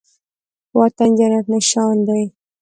وطن جنت نشان دی